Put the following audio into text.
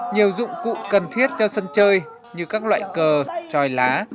nhiều dụng cụ cần thiết cho sân chơi như các loại cờ tròi lá